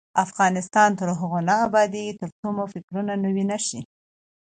افغانستان تر هغو نه ابادیږي، ترڅو مو فکرونه نوي نشي.